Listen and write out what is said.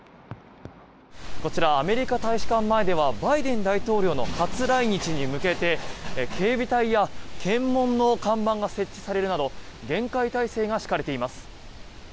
こちらアメリカ大使館前ではバイデン大統領の初来日に向けて警備隊や検問の看板が設置されるなど厳戒態勢が敷かれています。